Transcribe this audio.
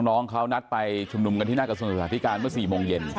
น้องเขานัดไปชุมนุมกันที่หน้ากระทรวงศึกษาธิการเมื่อ๔โมงเย็น